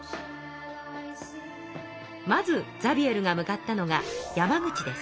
まずザビエルが向かったのが山口です。